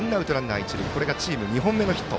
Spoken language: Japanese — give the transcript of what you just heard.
チーム２本目のヒット。